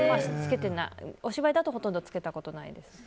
お芝居だとほとんど着けたことないです。